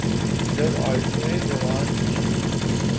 جب آرزوئیں جوان تھیں۔